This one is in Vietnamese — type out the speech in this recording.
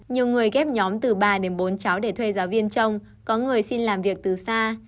nhiều người ghép nhóm từ ba đến bốn cháu để thuê giáo viên trong có người xin làm việc từ xa